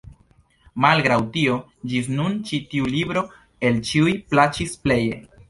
Malgraŭ tio, ĝis nun ĉi tiu libro el ĉiuj plaĉis pleje.